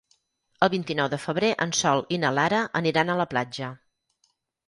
El vint-i-nou de febrer en Sol i na Lara aniran a la platja.